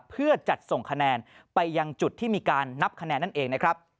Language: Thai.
เพื่อจัดส่งคะแนนไปยังจุดที่มีการนับคะแนนนั่นเองนะครับ